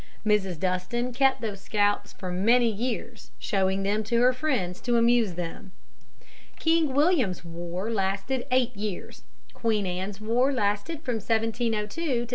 Mrs. Dustin kept those scalps for many years, showing them to her friends to amuse them. King William's War lasted eight years. Queen Anne's War lasted from 1702 to 1713.